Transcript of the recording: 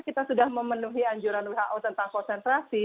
kita sudah memenuhi anjuran who tentang konsentrasi